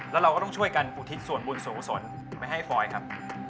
แล้วเราก็ต้องช่วยกันอุทิศส่วนบุญส่วนกุศลไปให้ฟอยครับ